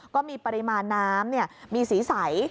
ก็มีปริมาณน้ำมีสีใส